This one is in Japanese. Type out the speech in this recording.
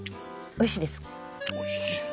おいしいですか？